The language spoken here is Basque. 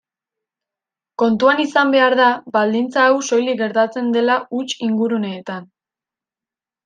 Kontuan izan behar da baldintza hau soilik gertatzen dela huts-inguruneetan.